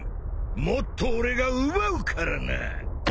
もっと俺が奪うからな！